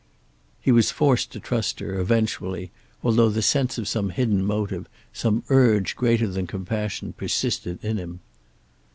He was forced to trust her, eventually, although the sense of some hidden motive, some urge greater than compassion, persisted in him.